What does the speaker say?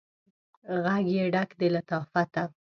ږغ یې ډک د لطافته